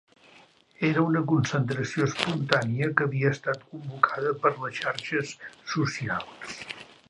Era una concentració espontània que havia estat convocada per les xarxes socials.